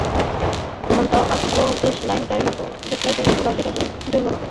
মনটা আর্দ্র দেশলাইকাঠির মতো, রাগের আগুন জ্বলল না।